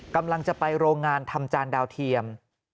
กำลังจะไปโรงงานทำจานดาวเทียม